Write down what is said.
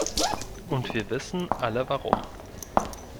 Und wir wissen alle warum.